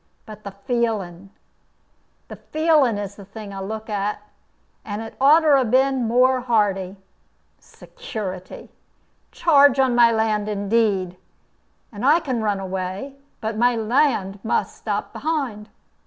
But the feelin' the feelin' is the thing I look at, and it ought to have been more hearty. Security! Charge on my land, indeed! And I can run away, but my land must stop behind!